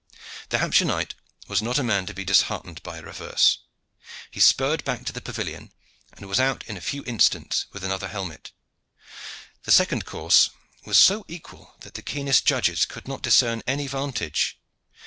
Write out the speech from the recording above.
The Hampshire knight was not a man to be disheartened by a reverse. He spurred back to the pavilion, and was out in a few instants with another helmet. The second course was so equal that the keenest judges could not discern any vantage.